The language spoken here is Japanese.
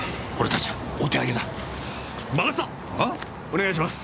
お願いします